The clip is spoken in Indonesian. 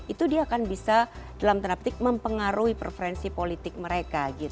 itu dia akan bisa dalam tanda petik mempengaruhi preferensi politik mereka gitu